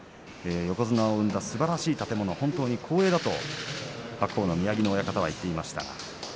横綱を生んだすばらしい建物、本当に光栄だと白鵬の宮城野親方は言っています。